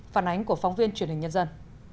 phản ánh của phóng viên truyền hình nhân dân